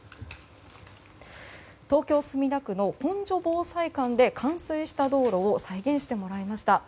東京・墨田区の本所防災館で冠水した道路を再現してもらいました。